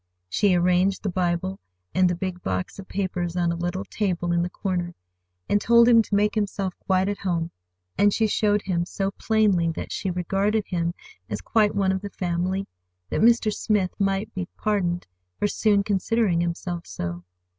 She arranged the Bible and the big box of papers on a little table in the corner, and told him to make himself quite at home; and she showed so plainly that she regarded him as quite one of the family, that Mr. Smith might be pardoned for soon considering himself so.